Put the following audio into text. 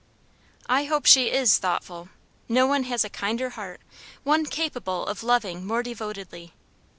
"I hope she IS thoughtful; no one has a kinder heart, one capable of loving more devotedly.